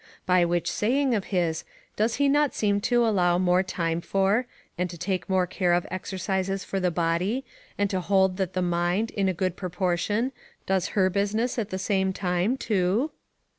By which saying of his, does he not seem to allow more time for, and to take more care of exercises for the body, and to hold that the mind, in a good proportion, does her business at the same time too?